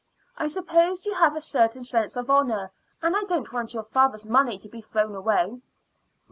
I suppose you have a certain sense of honor, and you don't want your father's money to be thrown away."